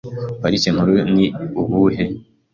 Parike Nkuru ni ubuhe?